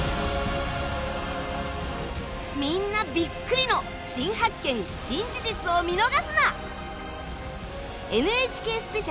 みんなビックリの新発見・新事実を見逃すな！